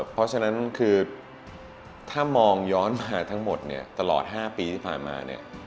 เพราะฉะนั้นคือถ้ามองย้อนมาทั้งหมดตลอด๕ปีที่ผ่านมา